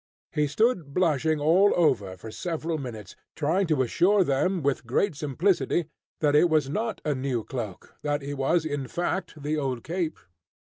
He stood blushing all over for several minutes, trying to assure them with great simplicity that it was not a new cloak, that it was in fact the old "cape."